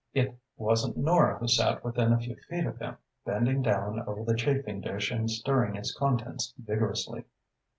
It wasn't Nora who sat within a few feet of him, bending down over the chafing dish and stirring its contents vigorously.